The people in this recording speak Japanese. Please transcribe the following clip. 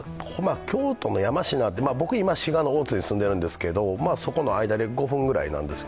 京都の山科、僕、今、滋賀の大津に住んでいるんですけどそこの間で、５分ぐらいなんです。